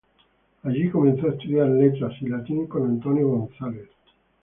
Allí comenzó a estudiar Letras y Latín con Antonio González.